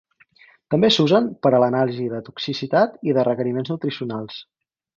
També s'usen per a l'anàlisi de toxicitat i de requeriments nutricionals.